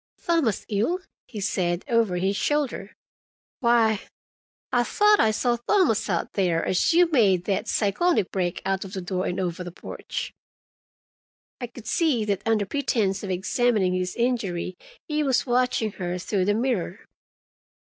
"Thomas ill?" he said, over his shoulder. "Why, I thought I saw Thomas out there as you made that cyclonic break out of the door and over the porch." I could see that under pretense of examining his injury he was watching her through the mirror.